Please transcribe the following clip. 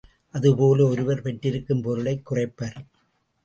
அதுபோல ஒருவர் பெற்றிருக்கும் பொருளைக் குறைப்பர்.